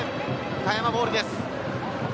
岡山ボールです。